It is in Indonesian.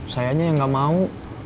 sayangnya ya gak mau